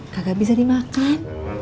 kagak bisa dimakan